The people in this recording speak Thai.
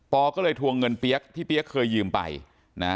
อก็เลยทวงเงินเปี๊ยกที่เปี๊ยกเคยยืมไปนะ